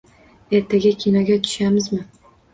Ertaga kinoga tushamizmi?